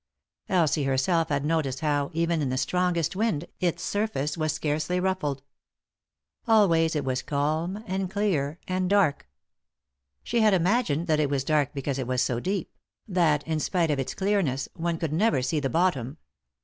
Elsie herself had noticed how, even in the strongest wind, its surface was scarcely ruffled. Always it was calm, and clear, and dark. She had imagined that it was dark because it was so deep, that, in spite of its clearness, one could never see the bottom.